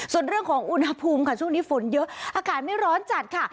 ส่วนเรื่องของอุณหภูมิค่ะช่วงนี้ฝนเยอะอากาศไม่ร้อนจัดค่ะ